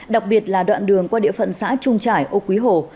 đặc biệt là đoạn đường qua địa phận xã trung trải âu quý hồ